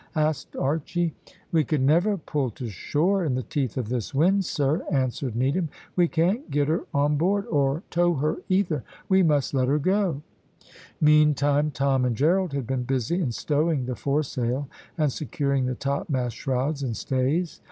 asked Archy. "We could never pull to shore in the teeth of this wind, sir," answered Needham. "We can't get her on board, or tow her either we must let her go." Meantime, Tom and Gerald had been busy in stowing the fore sail and securing the topmast shrouds and stays.